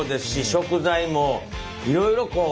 食材もいろいろこう